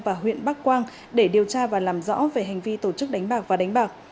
và huyện bắc quang để điều tra và làm rõ về hành vi tổ chức đánh bạc và đánh bạc